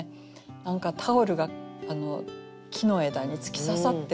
何かタオルが木の枝に突き刺さってる。